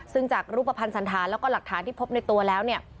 ซึ่งจากรูปภัณฑ์สันธารแล้วก็หลักฐานที่พบในตัวแล้วเนี่ย